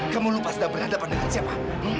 kamu lupa sudah berhadapan dengan siapa